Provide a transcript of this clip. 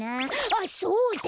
あっそうだ！